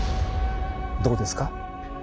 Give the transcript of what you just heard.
どうですか？